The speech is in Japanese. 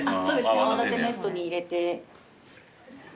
泡立てネットに入れて。